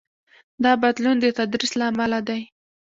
دا بدلون د تدریس له امله دی.